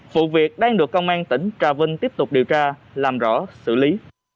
vụ việc đang được công an tỉnh trà vinh tiếp tục điều tra làm rõ xử lý